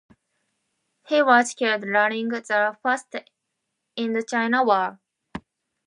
He was killed during the First Indochina War.